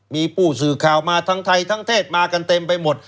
มีผู้สื่อข่าวมาทั้งไทยทั้งเทศมากันเต็มไปหมด